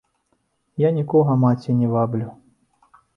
Я нікога, маці, не ваблю!